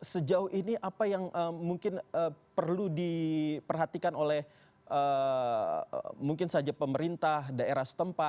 sejauh ini apa yang mungkin perlu diperhatikan oleh mungkin saja pemerintah daerah setempat